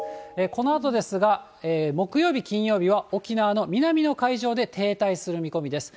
このあとですが、木曜日、金曜日は沖縄の南の海上で停滞する見込みです。